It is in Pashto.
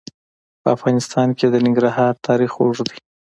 په افغانستان کې د ننګرهار تاریخ اوږد دی.